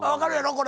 これ。